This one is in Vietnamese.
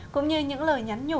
cũng như những lời nhắn nhủ